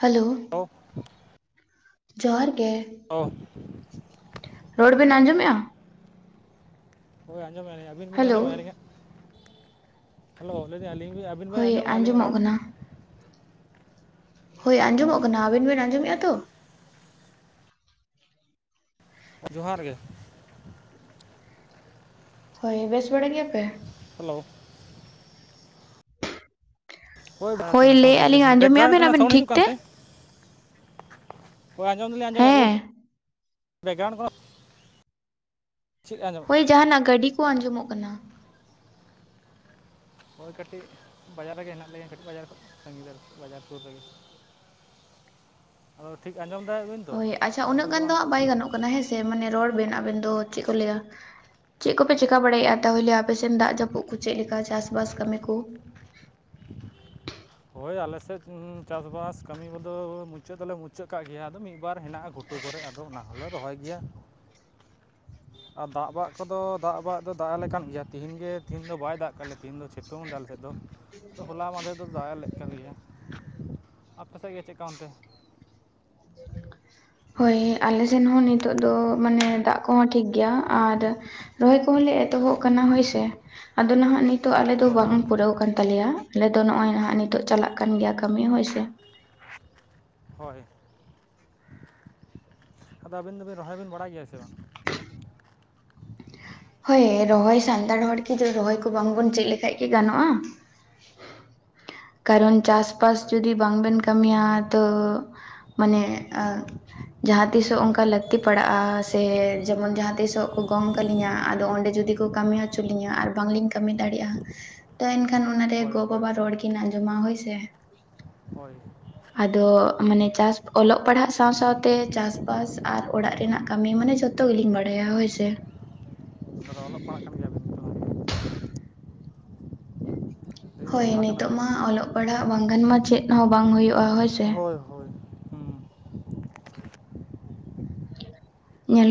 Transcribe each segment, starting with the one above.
Hello, hello ᱡᱚᱦᱟᱨ ᱜᱮ ᱚ ᱨᱚᱲ ᱵᱮᱱ ᱟᱡᱚᱢᱮᱜᱼᱟ? ᱦᱳᱭ, ᱟᱸᱡᱚᱢᱮᱜᱼᱟ ᱞᱤᱧ ᱟᱹᱵᱤᱱ ᱵᱤᱱ ᱟᱸᱡᱚᱢᱮᱜ ᱦᱮᱞᱳ ᱟ ᱟᱞᱤᱧᱟᱜ? ᱦᱮᱞᱳ, ᱞᱟᱹᱭᱮᱫᱟᱹᱧ ᱟᱹᱞᱤᱧ ᱟᱹᱵᱤᱱ ᱵᱤᱱ ᱦᱳᱭ ᱟᱸᱡᱚᱢᱮᱫᱟ ᱟᱹᱞᱤᱧᱟᱜ ᱟᱸᱡᱚᱢᱚᱜ ᱨᱚᱲ? ᱠᱟᱱᱟ ᱦᱳᱭ ᱟᱸᱡᱚᱢᱚᱜ ᱠᱟᱱᱟ, ᱟᱵᱤᱱ ᱵᱤᱱ ᱟᱸᱡᱚᱢᱮᱜᱼᱟ ᱛᱚ? ᱡᱚᱦᱟᱨ ᱜᱮ, ᱦᱳᱭ ᱵᱮᱥ ᱵᱟᱲᱟ ᱜᱮᱭᱟᱯᱮ? ᱦᱮᱞᱳ ᱦᱳᱭ ᱵᱟᱝ ᱞᱟᱹᱭᱮᱜᱼᱟ ᱞᱤᱧ ᱢᱚᱴᱟᱢᱩᱴᱤ ᱟᱸᱡᱚᱢᱮᱜᱼᱟ ᱵᱮᱠᱜᱨᱟᱣᱩᱱᱰ ᱵᱮᱱ ᱨᱮᱱᱟᱜ ᱟᱵᱮᱱ ᱥᱟᱣᱩᱱᱰ ᱴᱷᱤᱠ ᱦᱤᱡᱩᱜ ᱛᱮ ᱠᱟᱱᱛᱮ᱾ ᱦᱚᱭ ᱟᱸᱡᱚᱢ ᱫᱚᱞᱤᱧ ᱟᱸᱡᱚᱢᱮᱜᱼᱟ ᱞᱟᱭ ᱦᱮᱸ ᱵᱮᱠᱜᱨᱟᱣᱩᱱᱰ ᱠᱷᱚᱱ ᱦᱳᱭ ᱡᱟᱦᱟᱱᱟᱜ ᱜᱟᱹᱰᱤ ᱠᱚ ᱟᱸᱡᱚᱢᱚᱜ ᱠᱟᱱᱟ᱾ ᱦᱳᱭ ᱠᱟᱹᱴᱤᱡ ᱵᱟᱡᱟᱨ ᱨᱮᱜᱮ ᱦᱮᱱᱟᱜ ᱞᱤᱧᱟ ᱠᱟᱹᱴᱤᱡ ᱵᱟᱡᱟᱨ ᱠᱷᱚᱱ ᱥᱟᱸᱜᱤᱧ ᱤᱫᱟᱹᱨ ᱵᱟᱡᱟᱨ ᱥᱩᱨ ᱨᱮᱜᱮ᱾ [inaudible] ᱟᱫᱚ ᱴᱷᱤᱠ ᱟᱸᱡᱚᱢ ᱮᱫᱟ ᱵᱤᱱᱼᱼ ᱦᱳᱭ ᱟᱪᱪᱷᱟ ᱩᱱᱟᱹᱜ ᱜᱟᱱ ᱫᱚ ᱦᱟᱸᱜ ᱵᱟᱭ ᱜᱟᱱᱚᱜ ᱠᱟᱱᱟ ᱦᱮᱸᱥᱮ, ᱢᱟᱱᱮ ᱨᱚᱲ ᱵᱮᱱ ᱟᱵᱮᱱ ᱫᱚ ᱪᱮᱫ ᱠᱚ ᱞᱟᱹᱭᱟ? ᱪᱮᱫ ᱠᱚᱯᱮ ᱪᱤᱠᱟ ᱵᱟᱲᱟᱭᱼᱟᱜ ᱛᱟᱦᱚᱞᱮ, ᱟᱯᱮᱥᱮᱫ ᱫᱟᱜ ᱡᱟᱹᱯᱩᱫ ᱠᱚ ᱪᱮᱫ ᱞᱮᱠᱟ ᱪᱟᱥᱵᱟᱥ ᱠᱟᱹᱢᱤ ᱠᱚ? ᱦᱳᱭ ᱟᱞᱮᱥᱮᱫ ᱪᱟᱥᱵᱟᱥ ᱠᱟᱹᱢᱤ ᱠᱚᱫᱚ ᱢᱩᱪᱟᱹᱫ ᱞᱮ, ᱢᱩᱪᱟᱹᱫ ᱠᱟᱜ ᱜᱮᱭᱟ ᱟᱫᱚ ᱢᱤᱫ ᱵᱟᱨ ᱦᱮᱱᱟᱜᱼᱟ ᱜᱚᱴᱼᱼ ᱜᱷᱩᱴᱩ ᱠᱚᱨᱮ ᱟᱫᱚ ᱚᱱᱟ ᱦᱚᱸᱞᱮ ᱨᱚᱦᱚᱭ ᱜᱮᱭᱟ ᱾ [inaudible] ᱟᱨ ᱫᱟᱜ ᱵᱟᱜ ᱠᱚᱫᱚ ᱫᱟᱜ ᱵᱟᱜ ᱫᱚ ᱫᱟᱜᱼᱟ ᱞᱮᱠᱟᱱ ᱜᱮᱭᱟ ᱾ ᱛᱤᱦᱤᱧ ᱜᱮ ᱛᱤᱦᱤᱧ ᱫᱚ ᱵᱟᱭ ᱫᱟᱜ ᱠᱟᱜ ᱞᱮᱭᱟ, ᱛᱤᱦᱤᱧ ᱫᱚ ᱥᱤᱛᱩᱝ ᱫᱟᱭ ᱟᱞᱮ ᱥᱮᱫ ᱫᱚ, ᱦᱚᱞᱟ ᱢᱟᱦᱫᱮᱨ ᱫᱚᱼᱼ ᱫᱟᱭᱟ ᱞᱮᱫ [unintelligible] ᱟᱯᱮᱥᱮᱫ ᱜᱮ ᱪᱮᱫᱠᱟ ᱚᱱᱛᱮ? ᱦᱳᱭ, ᱟᱞᱮ ᱥᱮᱱ ᱦᱚᱸ ᱱᱤᱛᱼᱼ ᱱᱤᱛᱚᱜ ᱫᱚ ᱢᱟᱱᱮ ᱫᱟᱜ ᱠᱚᱦᱚᱸ ᱴᱷᱤᱠ ᱜᱮᱭᱟ ᱟᱨ ᱨᱚᱦᱚᱭ ᱠᱚᱦᱚᱸ ᱞᱮ ᱮᱛᱚᱦᱚᱵ ᱠᱟᱱᱟ ᱦᱳᱭᱥᱮ ᱾ ᱟᱫᱚ ᱱᱟᱦᱟᱸᱜ ᱱᱤᱛᱼᱼ ᱛᱚ ᱟᱞᱮ ᱫᱚ ᱦᱳᱭ ᱵᱟᱝ ᱯᱩᱨᱟᱹᱣ ᱟᱠᱟᱱ ᱛᱟᱞᱮᱭᱟ, ᱟᱞᱮ ᱫᱚ ᱱᱚᱜᱼᱚᱭ ᱦᱟᱸᱜ ᱱᱤᱛᱚᱜ ᱪᱟᱞᱟᱜ ᱠᱟᱱ ᱜᱮᱭᱟ ᱠᱟᱹᱢᱤ ᱦᱳᱭ ᱥᱮ ᱾ ᱦᱳᱭ, ᱟᱫᱚ ᱟᱹᱵᱤᱱ ᱫᱚ ᱵᱤᱱ ᱨᱚᱦᱚᱭ ᱵᱤᱱ ᱵᱟᱲᱟᱭ ᱜᱮᱭᱟ ᱥᱮ ᱵᱟᱝ? ᱦᱳᱭ, ᱨᱚᱦᱚᱭ ᱥᱟᱱᱛᱟᱲ ᱦᱚᱲ ᱠᱤ ᱨᱚᱦᱚᱭ ᱠᱚ ᱵᱟᱝᱵᱚᱱ ᱪᱮᱫ ᱞᱮᱠᱷᱟᱱ ᱠᱤ ᱜᱟᱱᱚᱜᱼᱟ᱾ ᱦᱳᱭ ᱠᱟᱨᱚᱱ ᱪᱮᱫ ᱛᱚ ᱪᱟᱥᱵᱟᱥ ᱫᱚᱨᱠᱟᱨ ᱜᱮ ᱡᱩᱫᱤ ᱵᱟᱝᱵᱮᱱᱼᱼ ᱠᱟᱹᱢᱤᱭᱟ ᱛᱚ, ᱢᱟᱱᱮᱼᱼ ᱡᱟᱦᱟᱸ, ᱛᱤᱥᱚᱜ ᱚᱱᱠᱟ ᱞᱟᱹᱠᱛᱤ ᱯᱟᱲᱟᱜᱼᱟ ᱥᱮ ᱡᱮᱢᱚᱱ ᱡᱟᱦᱟᱸ ᱛᱤᱥᱚᱜᱼᱼ ᱜᱚᱝ ᱠᱟᱞᱤᱧᱟ, ᱟᱫᱚ ᱚᱸᱰᱮ ᱡᱩᱫᱤ ᱠᱚ ᱠᱟᱹᱢᱤ ᱦᱚᱪᱚ ᱞᱤᱧᱟ ᱟᱨ ᱵᱟᱝᱞᱤᱧ ᱠᱟᱹᱢᱤ ᱫᱟᱲᱮᱭᱟᱜᱼᱟ ᱾ ᱛᱚ ᱮᱱᱠᱷᱟᱱ, ᱚᱱᱟᱨᱮ ᱦᱳᱭ ᱜᱚ ᱦᱳᱭ ᱵᱟᱵᱟ ᱦᱳᱭ ᱨᱚᱲ ᱠᱤᱱ ᱟᱸᱡᱚᱢᱟ ᱦᱳᱭᱥᱮ ᱾ ᱦᱳᱭ ᱾ ᱟᱫᱚ ᱢᱟᱱᱮ ᱪᱟᱥ ᱚᱞᱚᱜ ᱯᱟᱲᱦᱟᱜ ᱥᱟᱶ ᱥᱟᱶᱛᱮ ᱪᱟᱥᱵᱟᱥ ᱟᱨ ᱚᱲᱟᱜ ᱨᱮᱱᱟᱜ ᱠᱟᱹᱢᱤ ᱢᱟᱱᱮ ᱡᱚᱛᱚᱼᱼ ᱡᱷᱚᱛᱚ ᱜᱮᱞᱤᱧ ᱵᱟᱲᱟᱭᱟ, ᱦᱳᱭ ᱥᱮ ᱾ ᱛᱟᱦᱚᱞᱮ ᱚᱞᱚᱜ ᱯᱟᱲᱦᱟᱜ ᱠᱟᱱ ᱜᱮᱭᱟ ᱵᱤᱱ ᱛᱚ? ᱞᱟᱹᱭ ᱦᱳᱭ ᱚᱞᱚᱜ ᱯᱟᱲᱦᱟᱜ ᱱᱤᱛᱚᱜ ᱠᱟᱱᱟᱵᱤᱱ ᱢᱟ ᱚᱞᱚᱜ ᱯᱟᱲᱦᱟᱜ ᱵᱟᱝ ᱜᱟᱱ ᱢᱟ, ᱪᱮᱫ ᱦᱚᱸ ᱵᱟᱝ ᱦᱳᱭᱳᱜᱼᱟ, ᱦᱳᱭᱥᱮ ᱾ ᱦᱳᱭ ᱦᱳᱭ ᱦᱩᱸ ᱾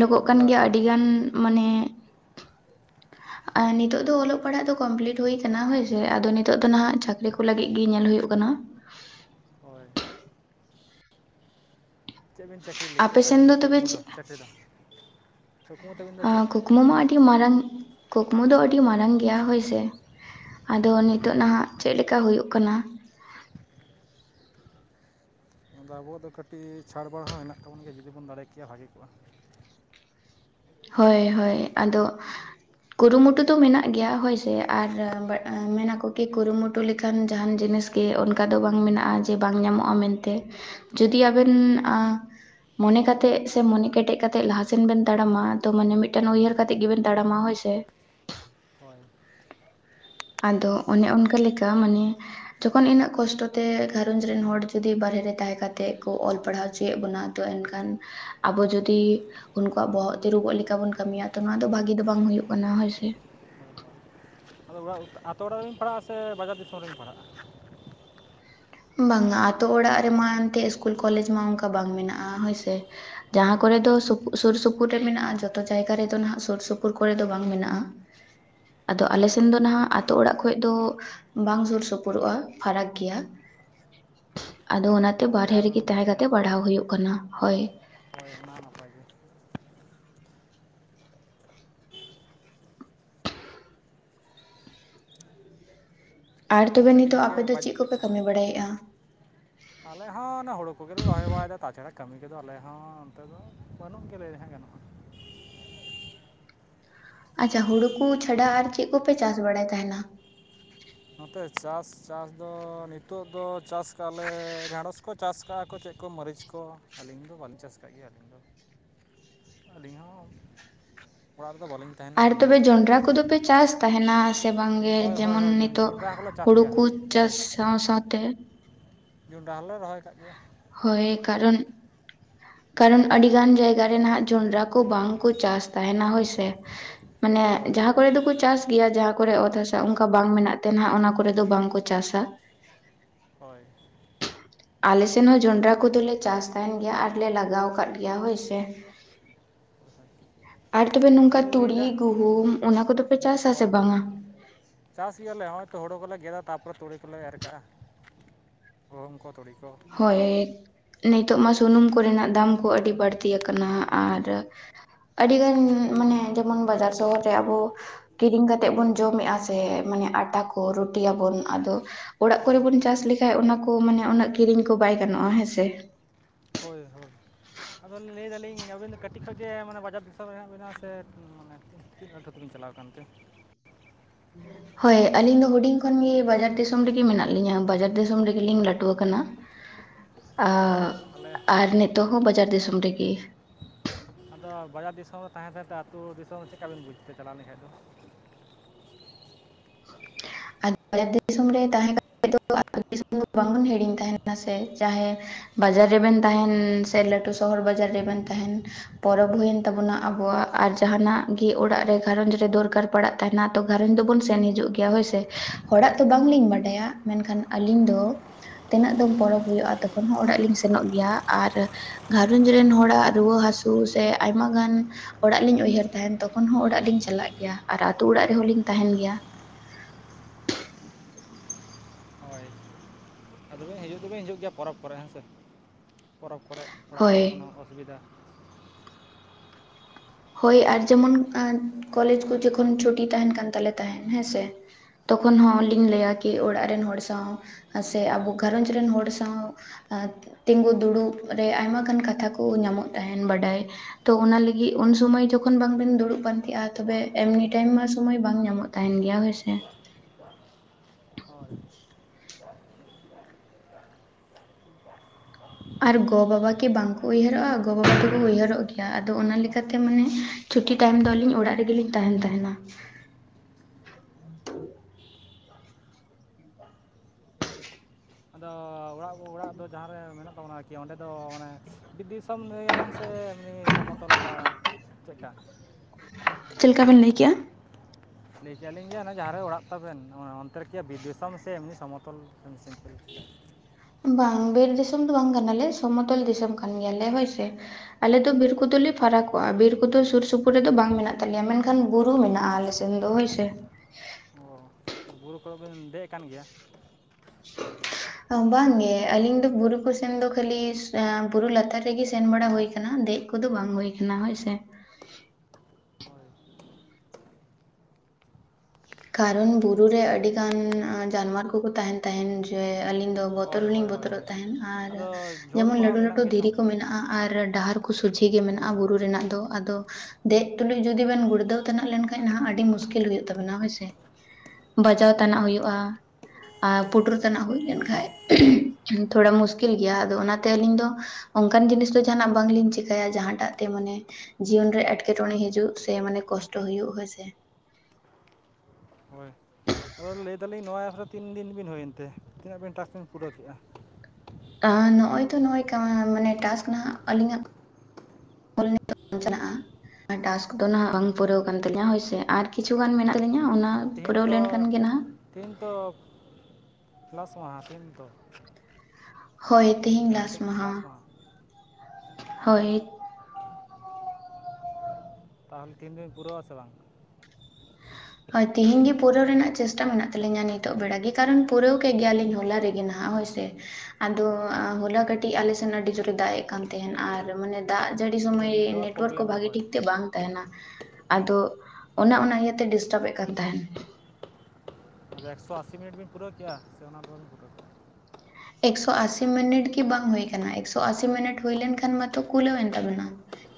ᱪᱮᱫ ᱜᱚᱜ ᱵᱤᱱ ᱠᱟᱱ ᱠᱚᱨᱟᱣᱮᱫ ᱜᱮᱭᱟ ᱛᱮ ᱟᱹᱰᱤ ᱜᱟᱱ ᱢᱟᱱᱮᱼᱼ ᱟᱨ ᱱᱤᱛᱚᱜ ᱫᱚ ᱚᱞᱚᱜ ᱯᱟᱲᱦᱟᱜ ᱫᱚ ᱠᱚᱢᱯᱞᱤᱴ ᱦᱳᱭ ᱠᱟᱱᱟ ᱦᱳᱭᱥᱮ, ᱟᱫᱚ ᱱᱤᱛᱚᱜ ᱫᱚ ᱱᱟᱦᱟᱜ ᱪᱟᱹᱠᱨᱤ ᱠᱚ ᱞᱟᱹᱜᱤᱫ ᱜᱮ ᱧᱮᱞ ᱦᱩᱭᱩᱜ ᱠᱟᱱᱟ ᱾ ᱦᱳᱭ ᱾ ᱪᱮᱫ ᱵᱤᱱ ᱪᱟᱹᱠᱨᱤ ᱞᱟᱹᱜᱤᱫ, ᱟᱯᱮ ᱪᱮᱫ ᱥᱮᱱ ᱛᱟᱵᱤᱱ ᱛᱚᱵᱮ ᱠᱩᱠᱢᱩ ᱫᱚ, ᱪᱟᱹᱠᱨᱤ ᱫᱚ? ᱠᱩᱠᱢᱩ ᱛᱟᱹᱵᱤᱱ ᱫᱚ ᱪᱮᱫ ᱠᱩᱠᱢᱩ ᱢᱟ ᱟᱹᱰᱤ ᱢᱟᱨᱟᱝ, ᱠᱩᱠᱢᱩ ᱫᱚ ᱟᱹᱰᱤ ᱢᱟᱨᱟᱝ ᱜᱮᱭᱟ ᱦᱳᱭ ᱥᱮ ᱾ ᱟᱫᱚ ᱦᱳᱭ ᱱᱤᱛᱳᱜ ᱱᱟᱦᱟᱸᱜ, ᱪᱮᱫᱞᱮᱠᱟ ᱦᱩᱭᱩᱜ ᱠᱟᱱᱟ? ᱢᱮᱱᱫᱚ ᱟᱵᱚᱣᱟᱜ ᱫᱚ ᱠᱟᱹᱴᱤᱡ ᱪᱷᱟᱲ ᱵᱟᱲ ᱦᱚᱸ ᱦᱮᱱᱟᱜ ᱛᱟᱵᱚᱱ ᱜᱮᱭᱟ, ᱡᱩᱫᱤ ᱵᱚᱱ ᱫᱟᱲᱮ ᱠᱮᱭᱟ ᱵᱷᱟᱹᱜᱤ ᱠᱚᱜᱼᱟ ᱾ ᱦᱳᱭ, ᱦᱳᱭ ᱟᱫᱚᱼᱼ ᱠᱩᱨᱩᱢᱩᱴᱩ ᱫᱚ ᱢᱮᱱᱟᱜ ᱜᱮᱭᱟ ᱦᱳᱭᱥᱮ ᱟᱨ ᱢᱮᱱ ᱟᱠᱚ ᱠᱤ ᱠᱩᱨᱩᱢᱩᱴᱩ ᱞᱮᱠᱷᱟᱱ ᱡᱟᱦᱟᱱ ᱡᱤᱱᱤᱥᱼᱼ ᱜᱮ ᱚᱱᱠᱟ ᱫᱚ ᱵᱟᱝ ᱢᱮᱱᱟᱜᱼᱟ ᱡᱮ ᱵᱟᱝ ᱧᱟᱢᱚᱜᱼᱟ, ᱢᱮᱱᱛᱮ ᱡᱩᱫᱤ ᱟᱵᱮᱱ ᱟᱸᱼᱼ ᱢᱚᱱᱮ ᱠᱟᱛᱮᱜ ᱥᱮ ᱢᱚᱱᱮ ᱠᱮᱴᱮᱡ ᱠᱟᱛᱮ ᱞᱟᱦᱟᱥᱮᱱ ᱵᱮᱱ ᱛᱟᱲᱟᱢᱟᱼᱼ ᱛᱚ ᱢᱟᱱᱮ ᱢᱤᱫᱴᱮᱱ ᱩᱭᱦᱟᱹᱨ ᱠᱟᱛᱮᱜ ᱜᱮᱵᱮᱱ ᱛᱟᱲᱟᱢᱟ, ᱦᱳᱭ ᱥᱮ? ᱦᱳᱭ ᱾ ᱟᱫᱚ, ᱚᱱᱮ ᱚᱱᱠᱟ ᱞᱮᱠᱟ ᱢᱟᱱᱮᱼᱼ ᱡᱚᱠᱷᱚᱱ ᱤᱱᱟᱹᱜ ᱠᱚᱥᱴᱚ ᱛᱮ, ᱜᱷᱟᱨᱚᱧᱡᱽ ᱨᱮᱱ ᱦᱚᱲ ᱡᱚᱫᱤ ᱵᱟᱦᱨᱮ ᱨᱮ ᱛᱟᱦᱮᱸ ᱠᱟᱛᱮᱫ ᱠᱚ ᱚᱞ ᱯᱟᱲᱦᱟᱣ ᱦᱚᱪᱚᱭᱮᱫ ᱵᱚᱱᱟ ᱛᱚ ᱮᱱᱠᱷᱟᱱ, ᱟᱵᱚ ᱡᱩᱫᱤ ᱩᱱᱠᱩᱣᱟᱜ ᱵᱚᱦᱚᱜ ᱛᱤᱨᱩᱵᱚᱜ ᱞᱮᱠᱟ ᱵᱚᱱ ᱠᱟᱹᱢᱤᱭᱟ ᱛᱚ, ᱱᱚᱶᱟ ᱫᱚ ᱵᱷᱟᱹᱜᱤ ᱫᱚ ᱵᱟᱝ ᱦᱩᱭᱩᱜ ᱠᱟᱱᱟ ᱦᱳᱭᱥᱮ? ᱟᱫᱚ ᱵᱟᱝ ᱟ ᱟᱛᱳ ᱨᱮᱵᱤᱧ ᱯᱟᱲᱦᱟᱜᱼᱟ ᱥᱮ, ᱵᱟᱡᱟᱨ ᱫᱤᱥᱚᱢ ᱨᱮᱵᱤᱧ ᱯᱟᱲᱦᱟᱜᱼᱟ? ᱵᱟᱝᱼᱟ ᱟᱛᱳ ᱚᱲᱟᱜ ᱨᱮᱢᱟ ᱮᱱᱛᱮᱫ ᱤᱥᱠᱩᱞ ᱠᱚᱞᱮᱡᱽ ᱢᱟ ᱚᱱᱠᱟ ᱵᱟᱝ ᱢᱮᱱᱟᱜᱼᱟ, ᱦᱳᱭ ᱥᱮ ᱡᱟᱦᱟᱸ ᱠᱚᱨᱮ ᱫᱚ ᱥᱤ ᱥᱩᱨ ᱥᱩᱯᱩᱨ ᱨᱮ ᱢᱮᱱᱟᱜᱼᱟ, ᱡᱚᱛᱚ ᱡᱟᱭᱜᱟ ᱨᱮᱫᱚ ᱱᱟᱸᱜ ᱥᱩᱨ ᱥᱩᱯᱩᱨ ᱠᱚᱨᱮ ᱫᱚ ᱵᱟᱝ ᱢᱮᱱᱟᱜᱼᱟ ᱾ ᱟᱫᱚ ᱟᱞᱮ ᱥᱮᱱ ᱫᱚ ᱱᱟᱸᱜ ᱟᱛᱳ ᱚᱲᱟᱜ ᱠᱷᱚᱡ ᱫᱚ ᱵᱟᱝ ᱥᱳᱨ ᱥᱳᱯᱳᱨᱚᱜᱼᱟ, ᱯᱷᱟᱨᱟᱠ ᱜᱮᱭᱟ᱾ ᱟᱫᱚ ᱚᱱᱟᱛᱮ ᱵᱟᱨᱦᱮ ᱵᱟᱡᱟᱨ ᱨᱮᱜᱮ ᱨᱮᱵᱤᱱ ᱯᱟᱲᱦᱟᱜ ᱛᱟᱦᱮᱸ ᱜᱮᱭᱟ ᱠᱟᱛᱮ ᱯᱟᱲᱦᱟᱣ ᱦᱩᱭᱩᱜ ᱠᱟᱱᱟ, ᱦᱳᱭ᱾ ᱦᱳᱭ ᱚᱱᱟ ᱱᱟᱯᱟᱭ ᱜᱮ᱾ ᱟᱨ ᱟᱫᱚ ᱛᱚᱵᱮ ᱠᱟᱹᱴᱤᱡ ᱱᱤᱛᱚᱜ ᱠᱷᱚᱡ ᱜᱮ ᱟᱯᱮ ᱫᱚ ᱵᱟᱡ ᱪᱤᱫ ᱠᱚᱯᱮ ᱦᱳᱭ ᱠᱟᱹᱢᱤ ᱵᱟᱲᱟᱭᱮᱫᱼᱟ? ᱟᱞᱮ ᱦᱚᱸ ᱚᱱ ᱦᱳᱲᱩ ᱠᱚᱜᱮᱞᱮ ᱨᱚᱦᱚᱭ ᱵᱟᱲᱟᱭᱮᱫᱟ, ᱛᱟᱪᱷᱟᱲᱟ ᱠᱟᱹᱢᱤ ᱠᱚᱫᱚ ᱟᱞᱮ ᱦᱚᱸ ᱚᱱᱛᱮ ᱫᱚ ᱵᱟᱹᱱᱩᱜ ᱜᱮᱞᱮ ᱦᱟᱸᱜ ᱜᱟᱱᱚᱜᱼᱟ᱾ ᱟᱪᱪᱷᱟ, ᱦᱳᱲᱩ ᱠᱚ ᱪᱷᱟᱰᱟ ᱟᱨ ᱪᱮᱫ ᱠᱚᱯᱮ ᱪᱟᱥ ᱵᱟᱲᱟᱭ ᱛᱟᱦᱮᱱᱟ? ᱱᱚᱛᱮ ᱪᱟᱥ ᱪᱟᱥ ᱫᱚ ᱱᱤᱛᱳᱜ ᱫᱚ ᱪᱟᱥ ᱠᱟᱜ ᱞᱮ ᱡᱷᱮᱸᱲᱚᱥ ᱠᱚ ᱪᱟᱥ ᱠᱟᱜᱼᱟ ᱠᱚ ᱪᱮᱫ ᱠᱚ ᱢᱟᱹᱨᱤᱪ ᱠᱚ, ᱟᱹᱞᱤᱧ ᱫᱚ ᱵᱟᱞᱤᱧ ᱪᱟᱥ ᱠᱟ ᱜᱮᱭᱟ ᱟᱹᱞᱤᱧ ᱫᱚ ᱟᱹᱞᱤᱧ ᱦᱚᱸ ᱚᱲᱟᱜ ᱨᱮᱫᱚ ᱵᱟᱞᱤᱧ ᱛᱟᱦᱮᱱ ᱟᱨ ᱛᱚᱵᱮ ᱡᱚᱱᱰᱨᱟ ᱠᱚᱫᱚᱯᱮ ᱪᱟᱥ ᱛᱟᱦᱮᱱᱟ ᱥᱮ ᱵᱟᱝᱜᱮ? ᱦᱳᱭ ᱦᱳᱭ ᱡᱮᱢᱚᱱ ᱦᱳᱭ ᱱᱤᱛᱳᱜ ᱡᱚᱱᱰᱨᱟ ᱦᱚᱸᱞᱮ ᱪᱟᱥ ᱦᱩᱲᱩ ᱠᱩ ᱪᱟᱥ ᱥᱟᱶ ᱥᱟᱶᱛᱮ ᱢᱚᱸᱰᱨᱟ ᱦᱚᱸᱞᱮ ᱨᱚᱦᱚᱭ ᱠᱟᱜ ᱜᱮᱭᱟ᱾ ᱦᱳᱭ ᱠᱟᱨᱚᱱ ᱠᱟᱨᱚᱱ ᱟᱹᱰᱤ ᱜᱟᱱ ᱡᱟᱭᱜᱟ ᱨᱮ ᱱᱟᱜ ᱡᱚᱱᱰᱨᱟ ᱠᱚ ᱵᱟᱝ ᱠᱚ ᱪᱟᱥ ᱛᱟᱦᱮᱱᱟ ᱦᱳᱭᱥᱮ᱾ ᱢᱟᱱᱮ ᱦᱳᱭ ᱡᱟᱦᱟᱸ ᱠᱚᱨᱮ ᱫᱚᱠᱚ ᱪᱟᱥ ᱜᱮᱭᱟ, ᱡᱟᱦᱟᱸ ᱠᱚᱨᱮ ᱚᱛ ᱦᱟᱥᱟ ᱚᱱᱠᱟ ᱵᱟᱝ ᱢᱮᱱᱟᱜ ᱛᱮ ᱱᱟᱜ ᱚᱱᱟ ᱠᱚᱨᱮ ᱫᱚ ᱵᱟᱝ ᱠᱚ ᱪᱟᱥᱟ᱾ ᱦᱳᱭ᱾ ᱟᱞᱮ ᱥᱮᱱ ᱦᱚᱸ ᱡᱚᱱᱰᱨᱟ ᱠᱚᱫᱚᱞᱮ ᱪᱟᱥ ᱛᱟᱦᱮᱱ ᱜᱮᱭᱟ, ᱟᱨᱞᱮ ᱞᱟᱜᱟᱣ ᱟᱠᱟᱫ ᱜᱮᱭᱟ ᱦᱳᱭ ᱥᱮ᱾ ᱟᱨ ᱛᱚᱵᱮ ᱱᱚᱝᱠᱟ ᱟᱫᱚᱞᱤᱧ ᱛᱩᱲᱤ, ᱞᱟᱹᱭᱫᱟ ᱜᱩᱦᱩᱢ, ᱚᱱᱟ ᱠᱚᱫᱚᱯᱮ ᱪᱟᱥᱟ ᱥᱮ ᱦᱳᱭ ᱦᱳᱭ ᱵᱟᱝᱟ? ᱪᱟᱥ ᱜᱮᱭᱟᱞᱮ ᱦᱚᱼᱚᱭ ᱛᱚ ᱦᱳᱲᱳ ᱠᱚᱞᱮ ᱜᱮᱫᱟ, ᱛᱟᱨᱯᱚᱨᱮ ᱛᱩᱲᱤ ᱠᱚᱞᱮ ᱮᱨ ᱠᱟᱜᱼᱟ᱾ ᱜᱩᱦᱩᱢ ᱠᱚ ᱛᱩᱲᱤ ᱠᱚ᱾ ᱦᱳᱭ, ᱱᱤᱛᱚᱜ ᱢᱟ ᱥᱩᱱᱩᱢ ᱠᱚᱨᱮᱱᱟᱜ ᱫᱟᱢ ᱠᱚ ᱟᱹᱰᱤ ᱵᱟᱹᱲᱛᱤᱭᱟᱠᱟᱱᱟ ᱟᱨ ᱟᱹᱰᱤᱜᱟᱱ ᱢᱟᱱᱮ ᱡᱮᱢᱚᱱ ᱵᱟᱡᱟᱨ ᱥᱚᱦᱚᱨ ᱨᱮ ᱟᱵᱚ ᱠᱤᱨᱤᱧ ᱠᱟᱛᱮᱫ ᱵᱚᱱ ᱡᱚᱢᱮᱫᱼᱟ ᱥᱮ, ᱢᱟᱱᱮ ᱟᱴᱟ ᱠᱚ ᱨᱩᱴᱤᱭᱟᱵᱚᱱ ᱟᱫᱚ ᱚᱲᱟᱜ ᱠᱚᱨᱮ ᱵᱚᱱ ᱪᱟᱥ ᱞᱮᱠᱟᱱᱡ ᱚᱱᱟ ᱠᱚ ᱢᱟᱱᱮ ᱩᱱᱟᱹᱜ ᱠᱤᱨᱤᱧ ᱠᱚ ᱵᱟᱭ ᱜᱟᱱᱚᱜᱼᱟ ᱦᱮᱸᱥᱮ᱾ ᱦᱳᱭ ᱦᱳᱭ᱾ ᱟᱫᱚ ᱞᱟᱹᱭ ᱫᱟᱞᱤᱧ ᱟᱹᱵᱤᱱ ᱫᱚ ᱠᱟᱹᱴᱤᱡ ᱠᱷᱚᱡ ᱜᱮ ᱢᱟᱱᱮ ᱵᱟᱡᱟᱨ ᱫᱤᱥᱚᱢ ᱨᱮ ᱦᱮᱱᱟᱜ ᱵᱤᱱᱟ ᱥᱮ ᱪᱮᱫ ᱟᱸᱱᱴᱟ ᱛᱮᱵᱤᱱ ᱪᱟᱞᱟᱣ ᱠᱟᱱᱛᱮ? [unintelligible] ᱦᱳᱭ ᱟᱹᱞᱤᱧ ᱫᱚ ᱦᱩᱰᱤᱧ ᱠᱷᱚᱱ ᱜᱮ ᱵᱟᱡᱟᱨ ᱫᱤᱥᱚᱢ ᱨᱮᱜᱮ ᱢᱮᱱᱟᱜ ᱞᱤᱧᱟᱹ, ᱵᱟᱡᱟᱨ ᱫᱤᱥᱚᱢ ᱨᱮᱜᱮᱞᱤᱧ ᱞᱟᱹᱴᱩ ᱟᱠᱟᱱᱟ᱾ ᱟᱞᱮ ᱟᱜ ᱟᱨ ᱱᱤᱛᱳᱜ ᱦᱚᱸ ᱵᱟᱡᱟᱨ ᱫᱤᱥᱚᱢ ᱨᱮᱜᱤ᱾ ᱟᱫᱚ ᱵᱟᱡᱟᱨ ᱫᱤᱥᱚᱢ ᱨᱮ ᱛᱟᱦᱮᱸᱛᱮ ᱟᱹᱛᱩ ᱫᱤᱥᱚᱢ ᱪᱮᱫᱠᱟ ᱵᱮᱱ ᱵᱩᱡᱽᱛᱮ ᱪᱟᱞᱟᱣ ᱞᱮᱱᱠᱷᱟᱡ ᱫᱚ? [unintelligible] ᱫᱤᱥᱚᱢ ᱨᱮ ᱛᱟᱦᱮᱸ ᱠᱟᱛᱮ ᱫᱚ [unintelligible] ᱫᱤᱥᱚᱢ ᱫᱚ ᱵᱟᱝᱵᱚᱱ ᱦᱤᱲᱤᱧ ᱛᱟᱦᱮᱱᱟ ᱥᱮ ᱪᱟᱦᱮ ᱵᱟᱡᱟᱨ ᱨᱮᱵᱮᱱ ᱛᱟᱦᱮᱱ ᱥᱮ ᱞᱟᱹᱴᱩ ᱥᱚᱦᱚᱨ ᱵᱟᱡᱟᱨ ᱨᱮᱵᱮᱱ ᱛᱟᱦᱮᱱ᱾ ᱯᱚᱨᱚᱵᱽ ᱦᱩᱭᱮᱱ ᱛᱟᱵᱚᱱᱟ ᱟᱵᱚᱣᱟᱜ ᱟᱨ ᱡᱟᱦᱟᱱᱟᱜ ᱜᱮ ᱚᱲᱟᱜ ᱨᱮ ᱜᱷᱟᱸᱨᱚᱸᱡᱽ ᱨᱮ ᱫᱚᱨᱠᱟᱨ ᱯᱟᱲᱟᱜ ᱛᱟᱦᱮᱱᱟ ᱛᱚ ᱜᱷᱟᱨᱚᱸᱡᱽ ᱫᱚ ᱵᱚᱱ ᱥᱮᱱ ᱦᱤᱡᱩᱜ ᱜᱮᱭᱟ ᱦᱳᱭ ᱥᱮ, ᱦᱚᱲᱟᱜ ᱛᱚ ᱵᱟᱝᱞᱤᱧ ᱵᱟᱰᱟᱭᱟ ᱢᱮᱱᱠᱷᱟᱱ ᱟᱹᱞᱤᱧ ᱫᱚ ᱛᱤᱱᱟᱹᱜ ᱫᱚᱢ ᱯᱚᱨᱚᱵᱽ ᱦᱳᱭᱳᱜᱼᱟ, ᱛᱚᱠᱷᱚᱱ ᱦᱚᱸ ᱚᱲᱟᱜ ᱞᱤᱧ ᱥᱮᱱᱚᱜ ᱜᱮᱭᱟ ᱟᱨ ᱜᱷᱟᱨᱚᱡᱽ ᱨᱮᱱ ᱦᱚᱲᱟᱜ ᱨᱩᱣᱟᱹ ᱦᱟᱥᱩ ᱥᱮ ᱟᱭᱢᱟ ᱜᱟᱱ ᱚᱲᱟᱜ ᱞᱤᱧ ᱩᱭᱦᱟᱹᱨ ᱛᱟᱦᱮᱱ ᱛᱚᱠᱷᱚᱱ ᱦᱚᱸ ᱚᱲᱟᱜ ᱞᱤᱧ ᱪᱟᱞᱟᱜ ᱜᱮᱭᱟ, ᱟᱨ ᱟᱛᱩ ᱚᱲᱟᱜ ᱨᱮᱦᱚᱸ ᱞᱤᱧ ᱛᱟᱦᱮᱱ ᱜᱮᱭᱟ᱾ [unintelligible] ᱦᱳᱭ ᱟᱫᱚ ᱦᱤᱡᱩᱜ ᱫᱚᱵᱤᱱ ᱦᱤᱡᱩᱜ ᱜᱮᱭᱟ ᱯᱚᱨᱚᱵᱽ ᱠᱚᱨᱮ ᱦᱮᱸᱥᱮ, ᱯᱚᱨᱚᱵᱽ ᱠᱚᱨᱮ ᱚᱲᱟᱜ ᱦᱳᱭ ᱠᱚᱨᱮ ᱠᱳᱱᱳ ᱚᱥᱩᱵᱤᱫᱟ ᱦᱳᱭ ᱟᱨ ᱡᱮᱢᱚᱱ ᱠᱚᱞᱮᱡᱽ ᱠᱚ ᱡᱚᱠᱷᱚᱱ ᱪᱷᱩᱴᱤ ᱛᱟᱦᱮᱱ ᱠᱟᱱ ᱛᱟᱞᱮ ᱛᱟᱦᱮᱸᱱ ᱦᱮᱸᱥᱮ, ᱛᱚᱠᱷᱚᱱ ᱦᱚᱸ ᱞᱤᱧ ᱞᱟᱹᱭᱟ, ᱠᱤ ᱚᱲᱟᱜ ᱨᱮᱱ ᱦᱚᱲ ᱥᱟᱶ ᱥᱮ ᱟᱵᱚ ᱜᱷᱟᱨᱚᱸᱡᱽ ᱨᱮᱱ ᱦᱚᱲ ᱥᱟᱶ ᱛᱮᱸᱜᱩ ᱫᱩᱲᱩᱵ ᱨᱮ ᱟᱭᱢᱟ ᱜᱟᱱ ᱠᱟᱛᱷᱟ ᱠᱚ ᱧᱟᱢᱚᱜ ᱛᱟᱦᱮᱱ ᱵᱟᱰᱟᱭ ᱛᱚ ᱚᱱᱟ ᱞᱤᱜᱤᱜ ᱩᱱ ᱥᱩᱢᱚᱭ ᱡᱚᱠᱷᱚᱱ ᱵᱟᱝ ᱵᱮᱱ ᱫᱩᱲᱩᱵ ᱯᱟᱱᱛᱮᱜ-ᱟ, ᱛᱚᱵᱮ ᱮᱢᱱᱤ ᱴᱟᱭᱤᱢ ᱢᱟ ᱥᱩᱢᱚᱭ ᱵᱟᱝ ᱧᱟᱢᱚᱜ ᱛᱟᱦᱮᱱ ᱜᱮᱭᱟ ᱦᱳᱸᱥᱮ, ᱦᱳᱭ ᱟᱨ ᱜᱚᱼᱵᱟᱵᱟ ᱠᱤ ᱵᱟᱝᱠᱚ ᱩᱭᱦᱟᱹᱨᱚᱜᱼᱟ ᱜᱚᱼᱵᱟᱵᱟ ᱛᱮᱠᱚ ᱩᱭᱦᱟᱹᱨᱚᱜ ᱜᱮᱭᱟ ᱟᱫᱚ ᱚᱱᱟ ᱞᱮᱠᱟᱛᱮ ᱢᱟᱱᱮ ᱪᱷᱩᱴᱤ ᱴᱟᱭᱤᱢ ᱫᱚ ᱟᱹᱞᱤᱧ ᱚᱲᱟᱜ ᱨᱮᱜᱮᱞᱤᱧ ᱛᱟᱦᱮᱱ ᱛᱟᱦᱮᱱᱟ᱾ ᱟᱫᱚ ᱚᱲᱟᱜ ᱚᱲᱟᱜ ᱫᱚ ᱡᱟᱦᱟᱸᱨᱮ ᱢᱮᱱᱟᱜ ᱛᱟᱵᱚᱱᱟ ᱟᱨᱠᱤ ᱚᱸᱰᱮ ᱫᱚ ᱢᱟᱱᱮ ᱠᱷᱤᱛᱤᱥ ᱞᱟᱹᱭᱟᱵᱚᱱ ᱥᱮ ᱮᱢᱱᱤ ᱥᱚᱢᱚᱛᱚᱞ ᱵᱟ ᱪᱮᱫᱠᱟ? ᱪᱮᱫᱠᱟ ᱵᱤᱱ ᱞᱟᱹᱭ ᱠᱮᱜᱼᱟ? ᱞᱟᱹᱭ ᱫᱟ. ᱞᱤᱧ ᱡᱮ ᱚᱱᱮ ᱡᱟᱦᱟᱸᱨᱮ ᱚᱲᱟᱜ ᱛᱟᱵᱮᱱ ᱚᱱᱟ ᱚᱱᱛᱮ ᱨᱮ ᱠᱤ ᱵᱤᱨ ᱫᱤᱥᱚᱢ ᱥᱮ ᱮᱢᱱᱤ ᱥᱚᱢᱚᱛᱚᱞ ᱥᱤᱢᱯᱮᱞ? ᱵᱟᱝ ᱵᱤᱨ ᱫᱤᱥᱚᱢ ᱫᱚ ᱵᱟᱝ ᱠᱟᱱᱟᱞᱮ, ᱥᱚᱢᱚᱛᱚᱞ ᱫᱤᱥᱚᱢ ᱠᱟᱱ ᱜᱮᱭᱟᱞᱮ ᱦᱳᱭᱥᱮ᱾ ᱟᱞᱮ ᱫᱚ ᱵᱤᱨ ᱠᱚᱫᱚᱞᱮ ᱯᱷᱟᱨᱟᱠ ᱚᱜᱼᱟ, ᱵᱤᱨ ᱠᱚᱫᱚ ᱥᱩᱨ ᱥᱩᱯᱩᱨ ᱨᱮᱫᱚ ᱵᱟᱝ ᱢᱮᱱᱟᱜ ᱛᱟᱞᱮᱭᱟ, ᱢᱮᱱᱠᱷᱟᱱ ᱵᱩᱨᱩ ᱢᱮᱱᱟᱜᱼᱟ ᱟᱞᱮ ᱥᱮᱫ᱾ ᱦᱚᱭ ᱥᱮ᱾ ᱚ ᱵᱩᱨᱩ ᱠᱚᱨᱮᱵᱤᱱ ᱫᱮᱡ ᱟᱠᱟᱱ ᱜᱮᱭᱟ? [unintelligible] ᱵᱟᱝᱜᱮ ᱟᱹᱞᱤᱧ ᱫᱚ ᱵᱩᱨᱩ ᱠᱚᱥᱮᱱ ᱫᱚ ᱠᱷᱟᱹᱞᱤ ᱵᱩᱨᱩ ᱞᱟᱛᱟᱨ ᱨᱮᱜᱮ ᱥᱮᱱ ᱵᱟᱲᱟ ᱦᱩᱭᱠᱟᱱᱟ ᱫᱮᱡ ᱠᱚᱫᱚ ᱵᱟᱝ ᱦᱩᱭ ᱟᱠᱟᱱᱟ ᱦᱳᱭ ᱥᱮ᱾ ᱠᱟᱨᱚᱱ ᱵᱩᱨᱩ ᱨᱮ ᱟᱹᱰᱤᱜᱟᱱ ᱡᱟᱱᱚᱣᱟᱨ ᱠᱚᱠᱚ ᱛᱟᱦᱮᱱ ᱛᱟᱦᱮᱱ ᱡᱮ ᱟᱹᱞᱤᱧ ᱟᱞᱤᱧ ᱫᱚ ᱵᱚᱛᱚᱨ ᱦᱳᱭ ᱦᱳᱭ ᱦᱚᱸᱞᱤᱧ ᱦᱳᱭ ᱵᱚᱛᱚᱨᱚᱜ ᱦᱳᱭ ᱛᱟᱦᱮᱸᱫ ᱟᱨ ᱟᱫᱚ ᱡᱷᱳᱲ ᱡᱮᱢᱚᱱ ᱠᱚᱦᱚᱸ ᱞᱟᱹᱴᱩ ᱞᱟᱹᱴᱩ ᱢᱮᱱᱟᱜ ᱫᱷᱤᱨᱤ ᱜᱮᱪᱚᱝ ᱠᱚ ᱢᱮᱱᱟᱜᱼᱟ᱾ ᱟᱨ ᱰᱟᱦᱟᱨ ᱠᱚ ᱥᱚᱡᱷᱮ ᱜᱮ ᱦᱳᱭ ᱢᱮᱱᱟᱜᱼᱟ ᱦᱳᱭ ᱵᱩᱨᱩ ᱨᱮᱱᱟᱜ ᱫᱚ ᱟᱫᱚ᱾ ᱫᱮᱡ ᱛᱩᱞᱩᱡ ᱡᱩᱫᱤ ᱵᱤᱱ ᱜᱩᱲᱫᱟᱹᱣ ᱛᱟᱱᱟᱜ ᱞᱮᱱᱠᱷᱟᱡ ᱱᱷᱟᱜ ᱟᱹᱰᱤ ᱢᱩᱥᱠᱤᱞ ᱦᱩᱭᱩᱜ ᱛᱟᱵᱤᱱᱟ ᱦᱳᱭᱥᱮ᱾ ᱵᱟᱡᱟᱣ ᱦᱳᱭ ᱛᱟᱱᱟᱜ ᱦᱳᱭ ᱦᱩᱭᱩᱜᱼᱟ᱾ ᱟ ᱯᱩᱴᱩᱨ ᱛᱟᱱᱟᱜ ᱦᱩᱭ ᱞᱮᱱᱠᱟᱡ ᱛᱷᱚᱲᱟ ᱢᱩᱥᱠᱤᱞ ᱜᱮᱭᱟ ᱟᱫᱚ ᱚᱱᱟᱛᱮ ᱟᱹᱞᱤᱧ ᱫᱚ ᱚᱱᱠᱟᱱ ᱡᱤᱱᱤᱥ ᱫᱚ ᱡᱟᱦᱟᱱᱟᱜ ᱵᱟᱝᱞᱤᱧ ᱪᱤᱠᱟᱹᱭᱟ ᱡᱟᱦᱟᱸᱴᱟᱜ ᱛᱮ ᱢᱟᱱᱮ ᱡᱤᱭᱚᱱ ᱨᱮ ᱮᱴᱠᱮᱴᱚᱬᱮ ᱦᱤᱡᱩᱜ ᱥᱮ ᱢᱟᱱᱮ ᱠᱚᱥᱴᱚ ᱦᱩᱭᱩᱜ ᱦᱳᱭ ᱥᱮ᱾ ᱦᱳᱭ ᱟᱫᱚ ᱞᱟᱹᱭ ᱫᱟᱞᱤᱧ ᱱᱚᱣᱟ ᱮᱯᱥᱨᱮ ᱛᱤᱱ ᱫᱤᱱ ᱵᱤᱱ ᱦᱩᱭᱮᱱᱛᱮ ᱛᱤᱱᱟᱹᱜ ᱵᱤᱱ ᱴᱟᱥᱠ ᱵᱤᱱ ᱯᱩᱨᱟᱹᱣ ᱠᱮᱫᱼᱟ? ᱱᱚᱜᱼᱚᱭ ᱛᱚ ᱱᱚᱜᱼᱚᱭ ᱢᱟᱱᱮ ᱴᱟᱥᱠ ᱱᱷᱟᱜ ᱟᱹᱞᱤᱧᱟᱜ ᱚᱞ ᱱᱤᱛᱚᱜ ᱪᱟᱞᱟᱜᱼᱟ᱾ ᱴᱟᱥᱠ ᱠᱚᱫᱚ ᱱᱷᱟᱜ ᱵᱟᱝ ᱯᱩᱨᱟᱹᱣ ᱠᱟᱱ ᱛᱟᱹᱞᱤᱧᱟ ᱦᱳᱭᱥᱮ, ᱟᱨ ᱠᱤᱪᱷᱩ ᱜᱟᱱ ᱢᱮᱱᱟᱜ ᱞᱤᱧᱟ. ᱚᱱᱟ ᱛᱮᱦᱮᱧ ᱯᱩᱨᱟᱹᱣ ᱛᱚ ᱞᱮᱱᱠᱷᱟᱱ ᱜᱮ ᱱᱟᱦᱟᱜ ᱛᱮᱦᱮᱧ ᱛᱚ ᱠᱮᱞᱟᱥ ᱢᱟᱦᱟ ᱛᱮᱦᱮᱧ ᱛᱚ᱾ ᱦᱳᱭ ᱛᱮᱦᱮᱧ ᱞᱟᱥ ᱢᱟᱦᱟ ᱦᱳᱭ᱾ ᱛᱟᱦᱚᱞᱮ ᱛᱮᱦᱮᱧ ᱫᱚᱵᱤᱱ ᱯᱩᱨᱟᱹᱣ ᱟᱥᱮ ᱵᱟᱝ? ᱦᱳᱭ ᱛᱮᱦᱮᱧ ᱜᱮ ᱯᱩᱨᱟᱹᱣ ᱨᱮᱱᱟᱜ ᱪᱮᱥᱴᱟ ᱢᱮᱱᱟᱜ ᱛᱟᱞᱤᱧᱟ ᱱᱤᱛᱚᱜ ᱵᱮᱲᱟ ᱜᱮ, ᱠᱟᱨᱚᱱ ᱯᱩᱨᱟᱹᱣ ᱠᱮᱜᱮᱭᱟᱞᱤᱧ ᱦᱚᱞᱟ ᱨᱮᱜᱮ ᱱᱷᱟᱜ᱾ ᱦᱳᱭ ᱥᱮ ᱟᱫᱚ ᱦᱚᱞᱟ ᱠᱟᱹᱴᱤᱡ ᱟᱞᱮ ᱥᱮᱱ ᱟᱹᱰᱤ ᱡᱳᱨᱮ ᱫᱟᱜ ᱮᱫ ᱠᱟᱱ ᱛᱟᱦᱮᱸᱫ ᱟᱨ ᱢᱟᱱᱮ ᱫᱟᱜ ᱡᱟᱹᱲᱤ ᱟᱫᱚ ᱥᱚᱢᱚᱭ ᱱᱮᱴᱣᱟᱨᱠ ᱱᱮᱴᱚᱣᱟᱨᱠ ᱠᱚ ᱯᱨᱚᱵᱞᱮᱢᱟᱭ ᱵᱷᱟᱜᱤ ᱦᱳᱭ ᱴᱷᱤᱠ ᱛᱮ ᱵᱟᱝ ᱛᱟᱦᱮᱱᱟ ᱟᱫᱚ ᱚᱱᱮ ᱚᱱᱟ ᱤᱭᱟᱹᱛᱮ ᱰᱤᱥᱴᱟᱵ ᱮᱫ ᱠᱟᱱ ᱛᱟᱦᱮᱸᱫ᱾ ᱮᱠᱥᱚ ᱟᱥᱤ ᱢᱤᱱᱤᱴ ᱵᱤᱱ ᱯᱩᱨᱟᱹᱣ ᱠᱮᱫᱟ ᱥᱮ ᱚᱱᱟ ᱫᱚ ᱵᱟᱵᱤᱱ ᱯᱩᱨᱟᱹᱣᱟ? ᱮᱠᱥᱚ ᱟᱥᱤ ᱢᱤᱱᱤᱴ ᱜᱮ ᱵᱟᱝ ᱦᱩᱭ ᱟᱠᱟᱱᱟ ᱮᱠᱥᱚ ᱟᱥᱤ ᱢᱤᱱᱤᱴ ᱦᱩᱭ ᱞᱮᱱᱠᱷᱟᱱ ᱢᱟᱛᱚ ᱠᱩᱞᱟᱹᱣ ᱮᱱ ᱛᱟᱵᱤᱱᱟ᱾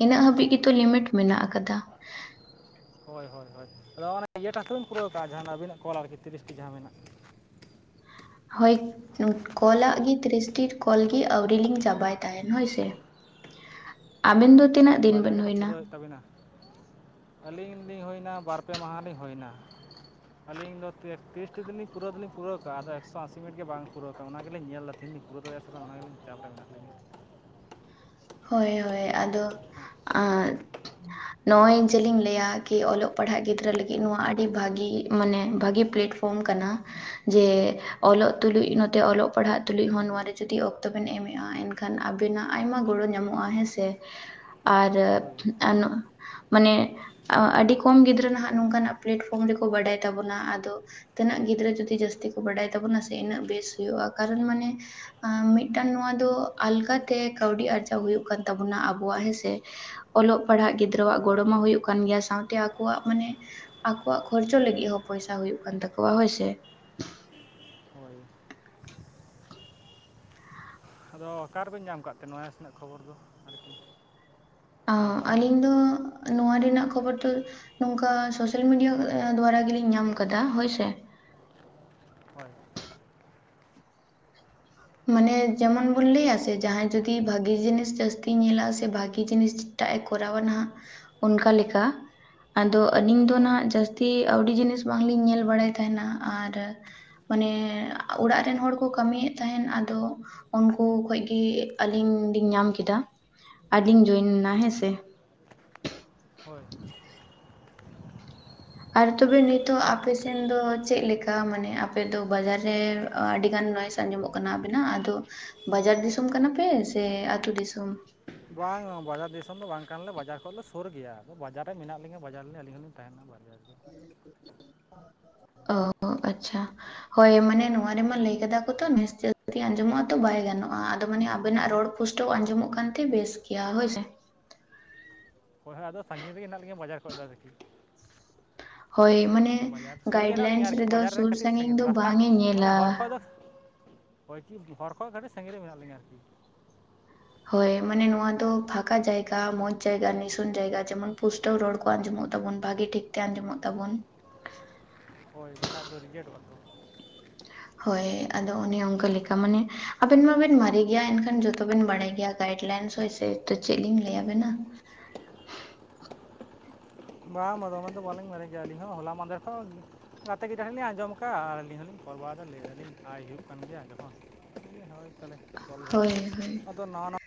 ᱤᱱᱟᱹᱜ ᱦᱟᱹᱵᱤᱡ ᱜᱮᱛᱚ ᱞᱤᱢᱤᱴ ᱢᱮᱱᱟᱜ ᱟᱠᱟᱫᱟ᱾ ᱦᱳᱭ ᱦᱳᱭ ᱦᱳᱭ ᱟᱫᱚ ᱚᱱᱟ ᱤᱭᱟᱹᱴᱟᱜ ᱛᱚ ᱵᱤᱱ ᱯᱩᱨᱟᱹᱣ ᱟᱠᱟᱫᱼᱟ ᱡᱟᱦᱟᱸ ᱟᱵᱤᱱᱟᱜ ᱠᱚᱞ ᱟᱨᱠᱤ ᱛᱤᱨᱤᱥᱴᱤ ᱡᱟᱦᱟᱸ ᱢᱮᱱᱟᱜ᱾ ᱦᱳᱭ ᱠᱚᱞᱟᱜ ᱜᱮ ᱛᱤᱨᱤᱥᱴᱤ ᱠᱚᱞ ᱜᱮ ᱟᱹᱣᱨ ᱞᱤᱧ ᱪᱟᱵᱟᱭ ᱛᱟᱦᱮᱫ ᱦᱳᱭ ᱥᱮ᱾ ᱟᱵᱤᱱ ᱫᱚ ᱛᱤᱱᱟᱹᱜ ᱫᱤᱱ ᱵᱤᱱ ᱦᱩᱭᱱᱟ? ᱛᱟᱹᱵᱤᱱᱟ ᱟᱹᱞᱤᱧ ᱞᱤᱧ ᱦᱩᱭᱱᱟ ᱵᱟᱨ ᱯᱮ ᱢᱟᱦᱟ ᱞᱤᱧ ᱦᱩᱭᱱᱟ᱾ ᱟᱹᱞᱤᱧ ᱫᱚ ᱛᱤᱨᱤᱥᱴᱤ ᱫᱚᱞᱤᱧ ᱯᱩᱨᱟᱹᱣ ᱫᱚᱞᱤᱧ ᱯᱩᱨᱟᱹᱣ ᱠᱟᱜᱼᱟ ᱮᱠᱥᱚ ᱟᱥᱤ ᱢᱤᱴ ᱜᱮ ᱵᱟᱝ ᱯᱩᱨᱟᱹᱣ ᱟᱠᱟᱱᱟ ᱚᱱᱟ ᱜᱮᱞᱤᱧ ᱧᱮᱞ ᱮᱫᱟ [unintelligible] ᱛᱮᱦᱮᱧ ᱞᱤᱧ ᱯᱩᱨᱟᱹᱣ ᱫᱟᱲᱮᱭᱟᱜ-ᱟ ᱥᱮ ᱵᱟᱝ-ᱟ, ᱚᱱᱟᱜᱮ ᱟᱹᱲᱤ ᱪᱟᱯᱨᱮ ᱢᱮᱱᱟᱜ ᱞᱤᱧᱟ [unintelligible] ᱦᱳᱭ ᱦᱳᱭ ᱟᱫᱚ ᱟᱻ ᱱᱚᱜᱼᱚᱭ ᱡᱮᱞᱤᱧ ᱞᱟᱹᱭᱟ ᱠᱤ ᱚᱞᱚᱜ ᱯᱟᱲᱦᱟᱜ ᱜᱤᱫᱽᱨᱟᱹ ᱞᱟᱹᱜᱤᱫ ᱱᱚᱣᱟ ᱟᱹᱰᱤ ᱵᱷᱟᱜᱤ ᱢᱟᱱᱮ ᱵᱷᱟᱜᱤ ᱯᱷᱮᱴ -ᱩᱢ ᱠᱟᱱᱟ, ᱡᱮ ᱚᱞᱚᱜ ᱛᱩᱞᱩᱡ ᱱᱚᱛᱮ ᱚᱞᱚᱜ ᱯᱟᱲᱦᱟᱜ ᱛᱩᱞᱩᱡ ᱦᱚᱸ ᱱᱚᱣᱟ ᱨᱮ ᱡᱩᱫᱤ ᱚᱠᱛᱚ ᱵᱤᱱ ᱮᱢᱮᱜᱼᱟ ᱮᱱᱠᱷᱟᱱ ᱮᱠᱷᱟᱱ ᱟᱵᱤᱱᱟᱜ ᱟᱭᱢᱟ ᱜᱚᱲᱚ ᱧᱟᱢᱚᱜᱼᱟ᱾ ᱦᱮᱸ ᱥᱮ? ᱟᱨ ᱦᱳᱭ ᱢᱟᱱᱮ ᱟᱹᱰᱤ ᱠᱚᱢ ᱜᱤᱫᱽᱨᱟᱹ ᱱᱟᱷᱟᱜ ᱱᱚᱝᱠᱟᱱᱟᱜ ᱯᱮᱞᱮᱴᱯᱷᱨᱚᱢ ᱨᱮᱠᱚ ᱵᱟᱰᱟᱭ ᱛᱟᱵᱚᱱᱟ, ᱟᱫᱚ ᱛᱤᱱᱟᱹᱜ ᱜᱤᱫᱽᱨᱟᱹ ᱡᱩᱫᱤ ᱡᱟᱹᱥᱛᱤ ᱠᱚ ᱵᱟᱰᱟᱭ ᱛᱟᱵᱚᱱᱟ ᱥᱮ ᱩᱱᱟᱹᱜ ᱵᱮᱥ ᱦᱩᱭᱩᱜᱼᱟ ᱠᱟᱨᱚᱱ ᱢᱟᱱᱮ ᱢᱤᱫ ᱴᱟᱱ ᱱᱚᱣᱟ ᱫᱚ ᱟᱞᱜᱟ ᱛᱮ ᱠᱟᱹᱣᱰᱤ ᱟᱨᱡᱟᱣ ᱦᱳᱭᱳᱜ ᱠᱟᱱ ᱛᱟᱵᱚᱱᱟ ᱟᱵᱚᱣᱟᱜ ᱦᱮᱸ ᱥᱮ? ᱚᱞᱚᱜ ᱯᱟᱲᱦᱟᱜ ᱜᱤᱫᱽᱨᱟᱹᱣᱟᱜ ᱦᱳᱭ ᱜᱚᱲᱚ ᱢᱟ ᱦᱳᱭᱳᱜ ᱠᱟᱱ ᱜᱮᱭᱟ ᱥᱟᱶᱛᱮ ᱟᱠᱚᱣᱟᱜ ᱢᱟᱱᱮ ᱟᱠᱚᱣᱟᱜ ᱠᱷᱚᱨᱪᱚ ᱞᱟᱜᱤᱫ ᱦᱚᱸ ᱯᱚᱭᱥᱟ ᱦᱳᱭᱳᱜ ᱠᱟᱱ ᱛᱟᱠᱚᱣᱟ ᱦᱳᱭ ᱥᱮ? [unintelligible] ᱦᱳᱭ ᱾ ᱟᱫᱚ ᱚᱠᱟ ᱨᱮᱵᱤᱱ ᱧᱟᱢ ᱠᱟᱜ ᱛᱮ ᱱᱚᱣᱟ ᱮᱥ ᱨᱮᱱᱟᱜ ᱠᱷᱚᱵᱚᱨ ᱫᱚ ᱟᱨᱠᱤ? ᱚᱸᱻ ᱟᱞᱤᱧ ᱫᱚ ᱱᱟᱣᱟ ᱨᱮᱱᱟᱜ ᱠᱷᱚᱵᱚᱨ ᱫᱚ ᱱᱚᱝᱠᱟ ᱥᱳᱥᱟᱞ ᱢᱤᱰᱤᱭᱟ ᱫᱩᱣᱟᱨᱟ ᱜᱮᱞᱤᱧ ᱧᱟᱢ ᱠᱟᱫᱟ, ᱦᱳᱭ ᱥᱮ? ᱦᱳᱭᱻ ᱢᱟᱱᱮ ᱡᱮᱢᱚᱱ ᱵᱚᱱ ᱞᱟᱹᱭᱟ ᱥᱮ ᱡᱟᱦᱟᱭ ᱡᱩᱫᱤ ᱵᱷᱟᱜᱤ ᱡᱤᱱᱤᱥ ᱡᱟᱥᱛᱤᱭ ᱧᱮᱞᱟ ᱥᱮ ᱵᱷᱟᱜᱤ ᱡᱤᱱᱤᱥ ᱮᱴᱟᱜ ᱮ ᱠᱚᱨᱟᱣᱟ ᱱᱟᱦᱟᱜ ᱚᱱᱠᱟ ᱞᱮᱠᱟ ᱟᱫᱚ ᱟᱞᱤᱧ ᱫᱚ ᱦᱳᱭ ᱱᱟᱦᱱᱟᱜ ᱡᱟᱥ -ᱛᱤ ᱟᱹᱣᱰᱤ ᱡᱤᱱᱤᱥ ᱵᱟᱝ ᱞᱤᱧ ᱧᱮᱞ ᱵᱟᱲᱟᱭ ᱛᱟᱦᱮᱱᱟ ᱟᱨ ᱚᱱᱮ ᱚᱲᱟᱜ ᱨᱮᱱ ᱦᱚᱲ ᱠᱚ ᱠᱟᱢᱤᱭᱮᱫ ᱛᱟᱦᱮᱱ ᱟᱫᱚ ᱩᱱᱠᱩ ᱠᱷᱚᱡ ᱜᱮ ᱟᱞᱤᱧ ᱞᱤᱧ ᱧᱟᱢ ᱠᱮᱫᱟ ᱾ ᱟᱰᱤᱧ ᱡᱚᱭᱮᱱᱟ, ᱚ ᱦᱮᱸ ᱥᱮ? ᱦᱳᱭ [unintelligible] ᱟᱨ ᱛᱚᱵᱮ ᱱᱤᱛᱚᱜ ᱟᱯᱮᱥᱮᱱ ᱫᱚ ᱪᱮᱫ ᱞᱮᱠᱟ ᱢᱟᱱᱮ ᱟᱯᱮᱫ ᱫᱚ ᱵᱟᱡᱟᱨ ᱨᱮ ᱟᱰᱤ ᱜᱟᱱ ᱱᱚᱭᱮᱥ ᱟᱸᱧᱡᱚᱢᱚᱜ ᱠᱟᱱᱟ ᱟᱵᱤᱱᱟᱜ ᱟᱫᱚ ᱵᱟᱡᱟᱨ ᱫᱤᱥᱚᱢ ᱠᱟᱱᱟ ᱯᱮ ᱥᱮ ᱟᱛᱩ ᱫᱤᱥᱚᱢ? ᱵᱟᱝ ᱵᱟᱡᱟᱨ ᱫᱤᱥᱚᱢ ᱫᱚ ᱵᱟᱝ ᱠᱟᱱᱟ ᱞᱮ ᱵᱟᱡᱟᱨ ᱠᱷᱚᱡ ᱞᱮ ᱥᱩᱨ ᱜᱮᱭᱟ ᱟᱫᱚ ᱵᱟᱡᱟᱨ ᱨᱮ ᱢᱮᱱᱟᱜ ᱞᱤᱧᱟ ᱵᱟᱡᱟᱨ ᱨᱮ ᱟᱞᱤᱧ ᱦᱚᱸᱞᱤᱧ ᱛᱟᱦᱮᱱᱟ ᱾ ᱵᱟᱡᱟᱨ [unintelligible] [inaudible] ᱚ ᱚ ᱟᱪᱪᱷᱟ ᱾ ᱦᱳᱭ ᱢᱟᱱᱮ ᱱᱚᱣᱟ ᱨᱮᱢᱟ ᱞᱟᱹᱭ ᱠᱟᱫᱟ ᱠᱚ ᱛᱚ ᱱᱚᱭᱮᱥ ᱡᱟᱥᱛᱤ ᱟᱡᱚᱢᱚᱜᱼᱟ ᱛᱚ ᱵᱟᱭ ᱜᱟᱱᱚᱜᱼᱟ ᱟᱫᱚ ᱢᱟᱱᱮ ᱟᱵᱮᱱᱟᱜ ᱨᱚᱲ ᱯᱩᱥᱴᱟᱹᱣ ᱟᱡᱚᱢᱚᱜ ᱦᱳᱭ ᱠᱟᱱ ᱛᱮ ᱵᱮᱥ ᱜᱮᱭᱟ, ᱦᱳᱭ ᱥᱮ? ᱦᱳᱭ ᱟᱫᱚ ᱥᱟᱺᱜᱤᱧ ᱨᱮᱜᱮ ᱢᱮᱱᱟᱜ ᱞᱤᱧᱟ ᱵᱟᱡᱟᱨ ᱠᱷᱚᱡ ᱫᱚ ᱟᱨᱠᱤ ᱦᱳᱭ ᱢᱟᱱᱮ ᱵᱟᱡᱟᱨ ᱥᱩᱨ ᱨᱮᱜᱮ ᱜᱟᱭᱤᱰ ᱦᱮᱱᱟᱜ ᱞᱤᱧᱟᱹ ᱞᱟᱭᱤᱱᱥ ᱟᱨᱠᱤ ᱨᱮ ᱫᱚ ᱵᱟᱡᱟᱨ ᱥᱳᱨ ᱠᱟᱹᱴᱤᱡ ᱥᱟᱺᱜᱤᱧ ᱫᱚ ᱨᱟᱥᱛᱟ ᱵᱟᱝᱮ ᱧᱮᱞᱟ ᱾ [inaudible] ᱦᱚᱭ [unintelligible] ᱦᱚᱨ ᱠᱷᱚᱡ ᱥᱟᱺᱜᱤᱧ ᱨᱮ ᱢᱮᱱᱟᱜ ᱞᱤᱧᱟ ᱟᱨᱠᱤ ᱾ ᱦᱳᱭ ᱢᱟᱱᱮ ᱱᱚᱣᱟ ᱫᱚ ᱯᱷᱟᱠᱟ ᱡᱟᱭᱜᱟ ᱢᱚᱸᱡᱽ ᱡᱟᱭᱜᱟ ᱱᱤᱥᱩᱱ ᱡᱟᱭᱜᱟ ᱡᱮᱢᱚᱱ ᱯᱩᱥ ᱯᱩᱥᱴᱟᱹᱣ ᱨᱚᱲ ᱠᱚ ᱟᱡᱚᱢᱚᱜ ᱛᱟᱵᱚᱱ ᱵᱷᱟᱜᱮ ᱴᱷᱤᱠ ᱛᱮ ᱟᱡᱚᱢᱚᱜ ᱛᱟᱵᱚᱱ ᱾ ᱦᱳᱭ ᱵᱟᱠᱷᱟᱡ ᱫᱚ ᱨᱮᱡᱮᱴᱚᱜ-ᱟ ᱛᱚ ᱦᱳᱭ ᱟᱫᱚ ᱚᱱᱮ ᱚᱱᱠᱟ ᱞᱮᱠᱟ ᱢᱟᱱᱮ ᱟᱵᱮᱱ ᱢᱟᱵᱮᱱ ᱢᱟᱨᱮ ᱜᱮᱭᱟ ᱮᱱᱠᱷᱟᱱ ᱡᱚᱛᱚ ᱵᱮᱱ ᱵᱟᱲᱟᱭ ᱜᱮᱭᱟ ᱜᱟᱭᱤᱰ ᱞᱟᱭᱤᱱ ᱦᱚ ᱮ ᱛᱚ ᱪᱮᱫ ᱞᱤᱧ ᱞᱟᱹᱭ ᱟᱵᱮᱱᱟ? ᱵᱟᱝ ᱵᱟ ᱫᱚᱢᱮ ᱫᱚ ᱵᱟᱞᱤᱧ ᱢᱟᱨᱮ ᱜᱮᱭᱟ ᱟᱞᱤᱧ ᱦᱚ᱾ ᱦᱟᱞᱟ ᱢᱟᱫᱷᱮᱨ ᱠᱷᱚᱱ ᱜᱟᱛᱮ ᱜᱮ ᱡᱟᱦᱟ ᱞᱤᱧ ᱟᱡᱚᱢ ᱟᱠᱟᱫᱼᱟ ᱟᱨ ᱟᱞᱤᱧ ᱦᱚᱞᱤᱧ ᱠᱚᱞ ᱵᱟᱲᱟᱭ ᱫᱟ ᱞᱟᱹᱭ ᱫᱟᱤᱧ ᱟᱭ ᱦᱩᱭᱩᱜ ᱠᱟᱱ ᱜᱮᱭᱟ ᱡᱚᱠᱷᱚᱱ᱾ ᱦᱳᱭ ᱛᱟᱞᱦᱮ ᱠᱚᱞ ᱦᱳᱭ ᱞᱮᱜᱮᱧ᱾ ᱟᱫᱚ ᱱᱟᱣᱟ ᱱᱟᱢᱵ